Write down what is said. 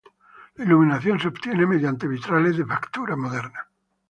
La iluminación se obtiene mediante vitrales de factura moderna.